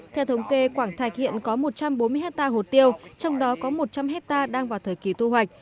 theo thống kê quảng thạch hiện có một trăm bốn mươi hectare hồ tiêu trong đó có một trăm linh hectare đang vào thời kỳ thu hoạch